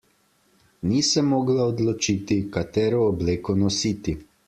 Ni se mogla odločiti, katero obleko nositi.